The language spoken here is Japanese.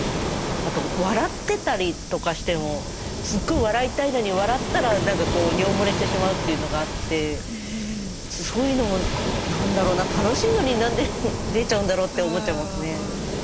あと笑ってたりとかしてもすごい笑いたいのに笑ったら何か尿もれしてしまうというのがあってそういうのも何だろうな楽しいのに何で出ちゃうんだろうって思っちゃいますね。